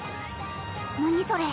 何それ？